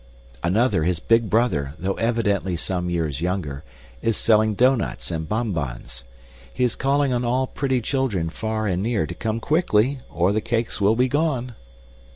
Another, his big brother, though evidently some years younger, is selling doughnuts and bonbons. He is calling on all pretty children far and near to come quickly or the cakes will be gone.